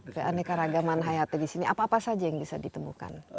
keanekaragaman hayati di sini apa apa saja yang bisa ditemukan